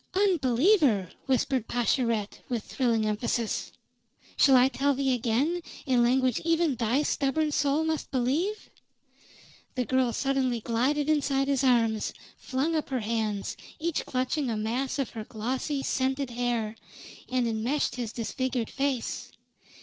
"Unbeliever!" whispered Pascherette with thrilling emphasis. "Shall I tell thee again, in language even thy stubborn soul must believe?" The girl suddenly glided inside his arms, flung up her hands, each clutching a mass of her glossy, scented hair, and enmeshed his disfigured face.